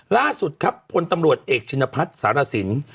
ล่าสุดครับพลตำรวจเอกชินพัฒน์สารสิน